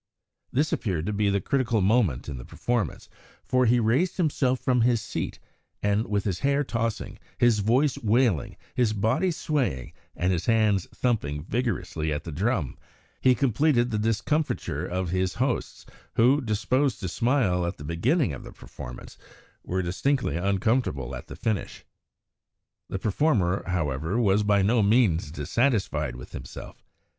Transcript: This appeared to be the critical moment in the performance, for he raised himself from his seat, and, with his hair tossing, his voice wailing, his body swaying, and his hands thumping vigorously at the drum, he completed the discomfiture of his hosts, who, disposed to smile at the beginning of the performance, were distinctly uncomfortable at the finish. The performer, however, was by no means dissatisfied with himself.